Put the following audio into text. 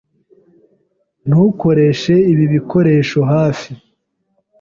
Ntukoreshe ibi bikoresho hafi.